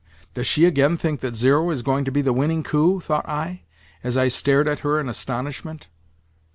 "Does she again think that zero is going to be the winning coup?" thought I, as I stared at her in astonishment.